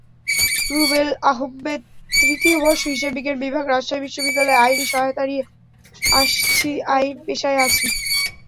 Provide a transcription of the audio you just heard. রুবেল আহম্মেদতৃতীয় বর্ষ, হিসাববিজ্ঞান বিভাগ, রাজশাহী বিশ্ববিদ্যালয়ই-আইনি সহায়তা নিয়ে আসছিআইন পেশায় আছি।